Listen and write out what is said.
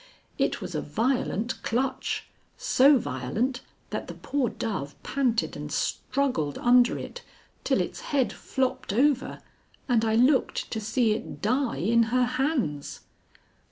It was a violent clutch, so violent that the poor dove panted and struggled under it till its head flopped over and I looked to see it die in her hands.